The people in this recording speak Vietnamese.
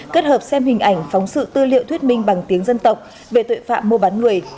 kết hợp xem hình ảnh phóng sự tư liệu thuyết minh bằng tiếng dân tộc về tội phạm mua bán người